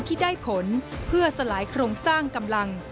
ที่ได้ผลเพื่อสลายโครงสร้างกำลัง